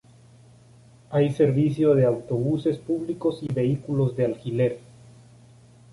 Hay servicio de autobuses públicos y vehículos de alquiler.